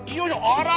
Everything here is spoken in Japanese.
あら！